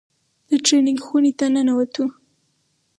د ټرېننگ خونې ته ننوتو.